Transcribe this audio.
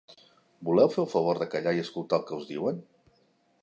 Voleu fer el favor de callar i escoltar el que us diuen?